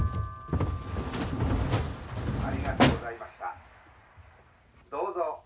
「ありがとうございました。どうぞ」。